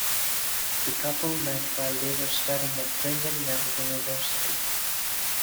The couple met while they were studying at Brigham Young University.